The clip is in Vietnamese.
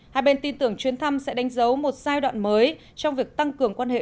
hai bên tin tưởng chuyến thăm sẽ đánh dấu một giai đoạn mới trong việc tăng cường quan hệ